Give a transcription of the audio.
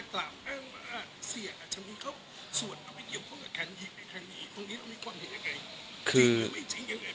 จริงไม่จริงเลยครับ